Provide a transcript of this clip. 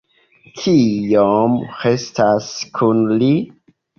Kiom restas kun li?